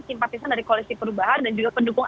simpatisan dari koalisi perubahan dan juga pendukung